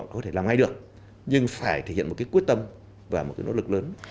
có thể làm ngay được nhưng phải thể hiện một quyết tâm và một nỗ lực lớn